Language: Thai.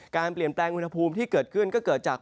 การเปลี่ยนแปลงอุณหภูมิที่เกิดขึ้นก็เกิดจาก